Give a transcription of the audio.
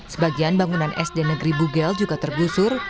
sebagian bangunan sd negeri bugel juga tergusur